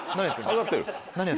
上がってる。